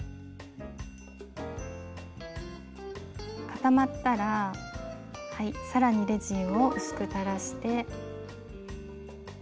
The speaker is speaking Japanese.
固まったら更にレジンを薄く垂らして。